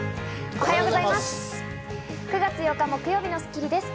おはようございます。